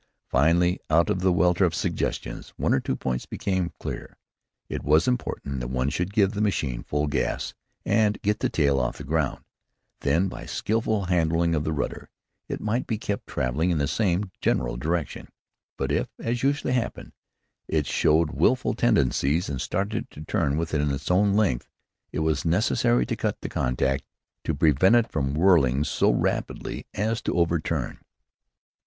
Finally, out of the welter of suggestions, one or two points became clear: it was important that one should give the machine full gas, and get the tail off the ground. Then, by skillful handling of the rudder, it might be kept traveling in the same general direction. But if, as usually happened, it showed willful tendencies, and started to turn within its own length, it was necessary to cut the contact, to prevent it from whirling so rapidly as to overturn.